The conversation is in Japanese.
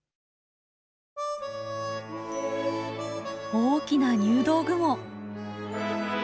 大きな入道雲！